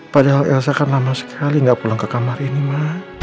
padahal elsa kan lama sekali gak pulang ke kamar ini ma